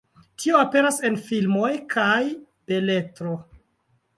Tio aperas en filmoj kaj beletro.